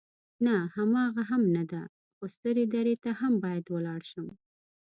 نه، هماغه هم نه ده، خو سترې درې ته هم باید ولاړ شم.